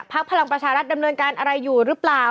พลังประชารัฐดำเนินการอะไรอยู่หรือเปล่า